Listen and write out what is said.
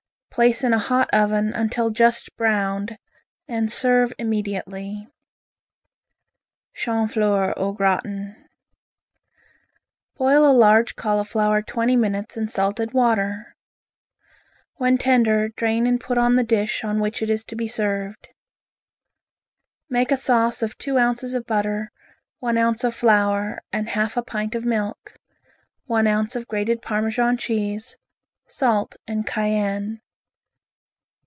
Place in a hot oven until just browned and serve immediately. Chonfleur au Gratin Boil a large cauliflower twenty minutes in salted water. When tender drain and put on the dish on which it is to be served. Make a sauce of two ounces of butter, one ounce of flour and half a pint of milk, one ounce of grated Parmesan cheese, salt and cayenne.